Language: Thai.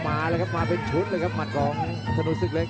มาแล้วครับมาเป็นชุดเลยครับหมัดของถนนศึกเล็ก